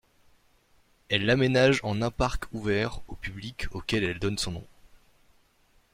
Elle l'aménage en un parc ouvert au public auquel elle donne son nom.